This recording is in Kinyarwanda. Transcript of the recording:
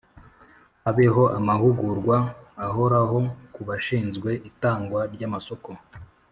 Habeho amahugurwa ahoraho ku bashinzwe itangwa ry amasoko